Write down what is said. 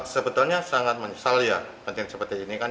sebetulnya sangat menyesal ya penting seperti ini kan